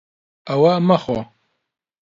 ئەوە مەخۆ.